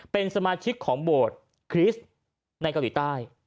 เป็นสมาชิกของโบสถ์คริสต์ในเกาหลีใต้